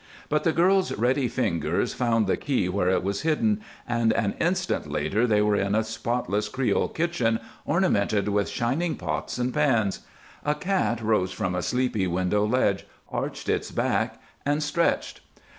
But the girl's ready fingers found the key where it was hidden, and an instant later they were in a spotless creole kitchen ornamented with shining pots and pans. A cat rose from a sleepy window ledge, arched its back, and stretched.